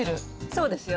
そうですよね。